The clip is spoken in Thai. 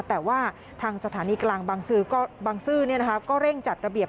แต่ว่าทางสถานีกลางบังซื้อก็เร่งจัดระเบียบ